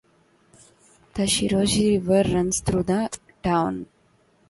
The Shiroishi River runs through the town.